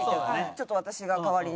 ちょっと私が代わりに。